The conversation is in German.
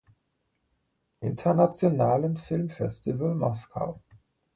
Internationalen Filmfestival Moskau.